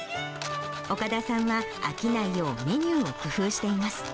岡田さんは飽きないよう、メニューを工夫しています。